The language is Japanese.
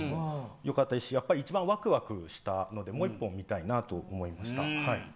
よかったですし一番わくわくしたのでもう一本、見たいと思いました。